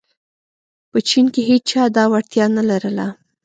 په چین کې هېچا دا وړتیا نه لرله.